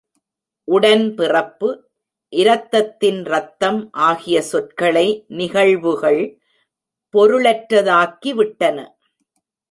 உடன்பிறப்பு, இரத்தத்தின் இரத்தம் ஆகிய சொற்களை நிகழ்வுகள் பொருளற்றதாக்கி விட்டன.